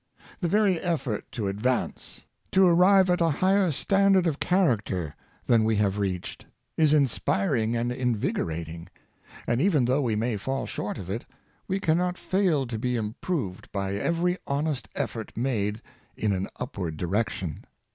The very effort to advance — to arrive at a higher standard of character than we have reached — is inspiring and invigorating; and even though we may fall short of it, we can not fail to be improved by every honest effort made in an upward direction.